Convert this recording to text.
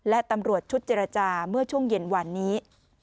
และตำรวจชุดเจรจาเมื่อช่วงเย็นวันนี้